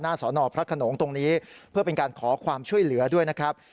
สอนอพระขนงตรงนี้เพื่อเป็นการขอความช่วยเหลือด้วยนะครับ